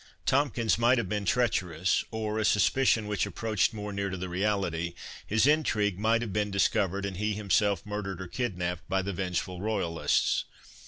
Tomkins might have been treacherous; or, a suspicion which approached more near to the reality, his intrigue might have been discovered, and he himself murdered or kidnapped by the vengeful royalists.